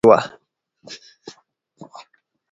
امسا یې د لاس په ورغوي کې نښتې وه.